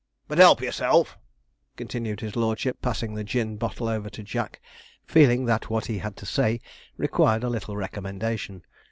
But help yourself,' continued his lordship, passing the gin bottle over to Jack, feeling that what he had to say required a little recommendation.